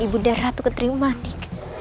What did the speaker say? ibu ndara ratu ketering manik